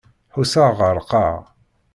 Ḥusseɣ εerqeɣ.